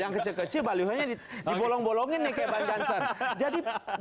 yang kecil kecil balihonya dibolong bolongin nih kayak bang jansen